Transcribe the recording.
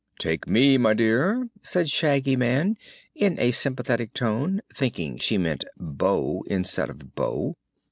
"Take me, my dear," said Shaggy Man in a sympathetic tone, thinking she meant "beau" instead of "bow."